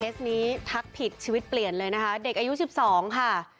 นี้ทักผิดชีวิตเปลี่ยนเลยนะคะเด็กอายุ๑๒ค่ะ